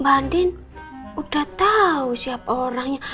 mbak andi udah tau siapa orangnya